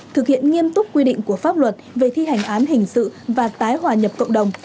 thực hiện nghiêm túc quy định của pháp luật về thi hành án hình sự và tái hòa nhập cộng đồng